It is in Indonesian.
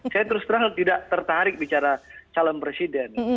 saya terus terang tidak tertarik bicara calon presiden